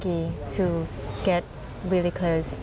คิดว่าเกิดอะไรขึ้น